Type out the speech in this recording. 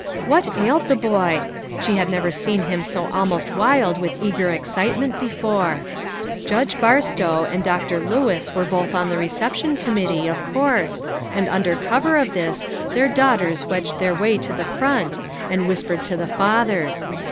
What ailed the boy ? She had never seen him so almost wild with eager excitement before. Judge Barstow and Dr. Lewis were both on the reception committee, of course, and under cover 414 LITTLE FISHERS : AND THEIE NETS. of this, their daughters wedged their way to the front, and whispered to the fathers.